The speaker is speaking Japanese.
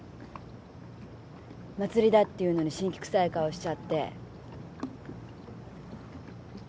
祭りだっていうのにしんきくさい顔しちゃって。